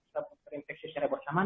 terinfeksi serebra sama